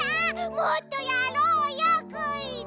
もっとやろうよクイズ！